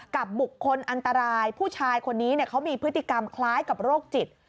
กับบุคคลอันตรายผู้ชายคนนี้เขามีพฤติกรรมคล้ายกับโรคจิต